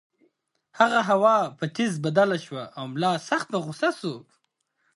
هغه هوا په ټیز بدله شوه او ملا سخت په غُصه شو.